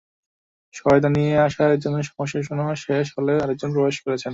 সহায়তা নিতে আসা একজনের সমস্যা শোনা শেষ হলেই আরেকজন প্রবেশ করছেন।